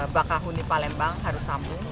bakahuni palembang harus sambung